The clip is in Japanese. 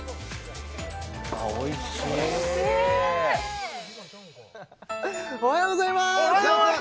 おいしいおはようございます